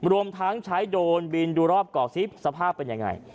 รวมทั้งใช้โดรนบินดูรอบเกาะซิสภาพเป็นยังไง